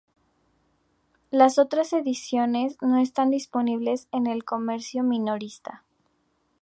Las otras ediciones no están disponibles en el comercio minorista.